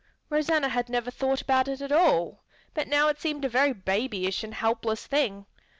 Rosanna had never thought about it at all, but now it seemed a very babyish and helpless thing.